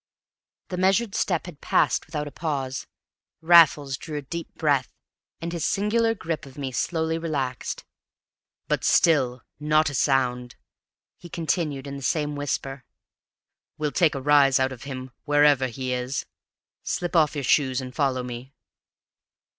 The measured step had passed without a pause. Raffles drew a deep breath, and his singular grip of me slowly relaxed. "But still, not a sound," he continued in the same whisper; "we'll take a rise out of him, wherever he is! Slip off your shoes and follow me."